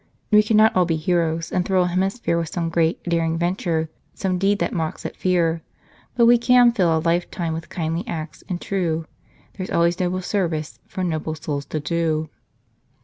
" We cannot all be heroes, And thrill a hemisphere With some great, daring venture, Some deed that mocks at fear ; But we can fill a lifetime With kindly acts and true : There s always noble service For noble souls to do."